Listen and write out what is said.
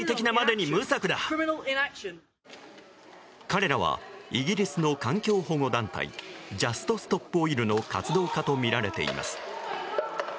彼らはイギリスの環境保護団体ジャスト・ストップ・オイルの活動家とみられています。